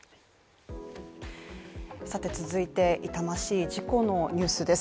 さて続いて痛ましい事故のニュースです